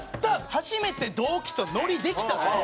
初めて同期とノリできた」。